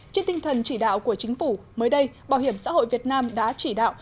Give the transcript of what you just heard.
trên tinh thần chỉ đạo của chính phủ mới đây bảo hiểm xã hội việt nam đã chỉ đạo